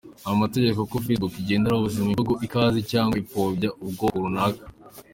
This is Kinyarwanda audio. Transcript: Amategeko Facebook igenderaho abuza imvugo "ikaze cyangwa ipfobya" ubwoko runaka.